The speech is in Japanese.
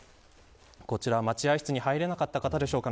こちら、待合室に入れなかった方でしょうか。